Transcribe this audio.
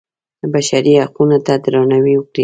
بشري حقونو ته درناوی وکړئ